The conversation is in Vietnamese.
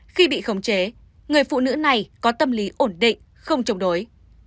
khi bị khống chế người phụ nữ này có tâm lý ổn định không chống đối